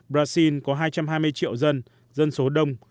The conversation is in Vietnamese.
brazil có hai trăm hai mươi triệu dân dân số đông